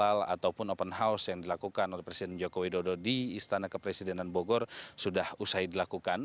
ataupun open house yang dilakukan oleh presiden joko widodo di istana kepresidenan bogor sudah usai dilakukan